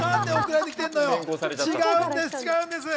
違うんです。